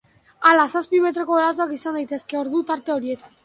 Hala, zazpi metroko olatuak izan daitezke ordu tarte horietan.